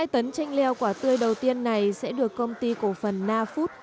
hai tấn chanh leo quả tươi đầu tiên này sẽ được công ty cổ phần nafood